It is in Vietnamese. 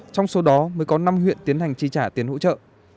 trong số đó mới có năm huyện tiến hành chi trả tiền hỗ trợ